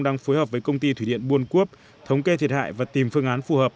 đang phối hợp với công ty thủy điện buôn quốc thống kê thiệt hại và tìm phương án phù hợp